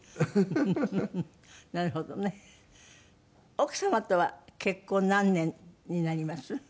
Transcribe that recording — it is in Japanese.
奥様とは結婚何年になります？